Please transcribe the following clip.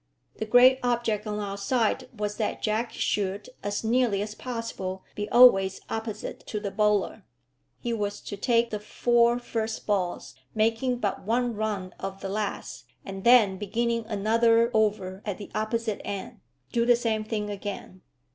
The great object on our side was that Jack should, as nearly as possible, be always opposite to the bowler. He was to take the four first balls, making but one run off the last, and then beginning another over at the opposite end do the same thing again.